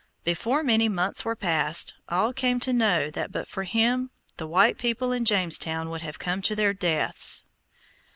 Before many months were passed, all came to know that but for him the white people in Jamestown would have come to their deaths.